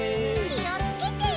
きをつけて。